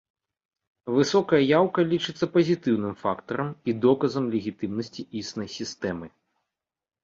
Высокая яўка лічыцца пазітыўным фактарам і доказам легітымнасці існай сістэмы.